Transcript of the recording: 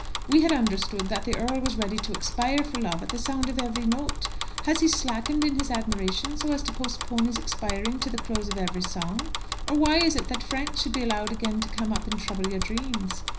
We had understood that the earl was ready to expire for love at the sound of every note. Has he slackened in his admiration so as to postpone his expiring to the close of every song? Or why is it that Frank should be allowed again to come up and trouble your dreams?